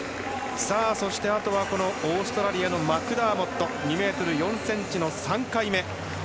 さあ、そしてあとはオーストラリアのマクダーモット２ｍ４ｃｍの３回目。